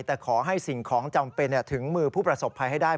แต่ขอให้สิ่งของจำเป็นถึงมือผู้ประสบภัยให้ได้